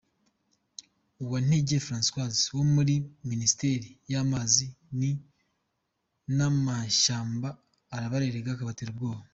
Uwantege Francoise wo muri Minisiteri y’ amazi n’ amashyamba arabarerega akabatera ubwoba.